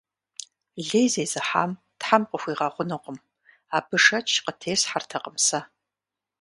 Лей зезыхьам Тхьэм къыхуигъэгъунукъым – абы шэч къытесхьэртэкъым сэ.